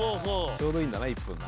「ちょうどいいんだな１分な」